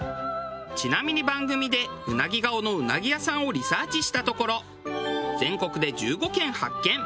ちなみに番組で「うなぎ顔のうなぎ屋さん」をリサーチしたところ全国で１５軒発見。